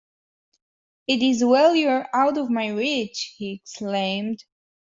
‘It is well you are out of my reach,’ he exclaimed.